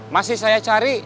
masih saya cari